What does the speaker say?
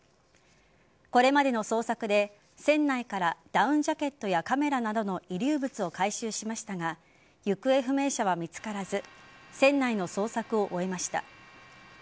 これまでの捜索で船内からダウンジャケットやカメラなどの遺留物を回収しましたが行方不明者は見つからず船内の捜索を終えました。